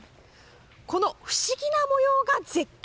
この不思議な模様が絶景。